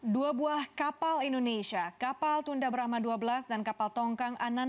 dua buah kapal indonesia kapal tunda brahma dua belas dan kapal tongkang anan